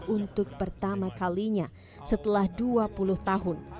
untuk pertama kalinya setelah dua puluh tahun